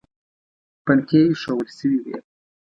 پنکې ایښوول شوې وې.